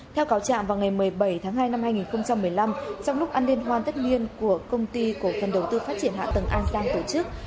theo cáo trạm vào ngày một mươi bảy tháng hai năm hai nghìn một mươi năm trong lúc an liên hoan tất liên của công ty của phần đầu tư phát triển hạ tầng an giang tổ chức